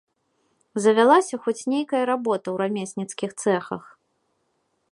Завялася хоць нейкая работа ў рамесніцкіх цэхах.